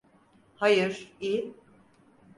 Hayır, iyi.